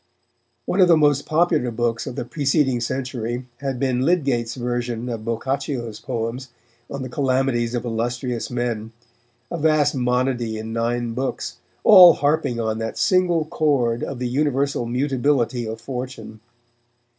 One of the most popular books of the preceding century had been Lydgate's version of Boccaccio's poems on the calamities of illustrious men, a vast monody in nine books, all harping on that single chord of the universal mutability of fortune.